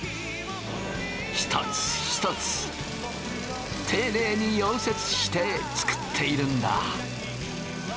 一つ一つていねいに溶接して作っているんだ。